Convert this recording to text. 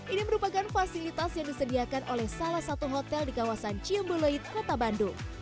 ini merupakan fasilitas yang disediakan oleh salah satu hotel di kawasan ciembuloid kota bandung